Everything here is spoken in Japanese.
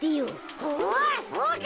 おそうか！